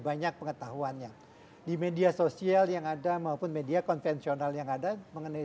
banyak pengetahuannya di media sosial yang ada maupun media konvensional yang ada mengenai